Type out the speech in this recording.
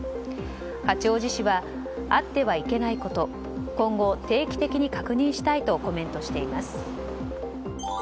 八王子市はあってはいけないこと今後、定期的に確認したいとコメントしています。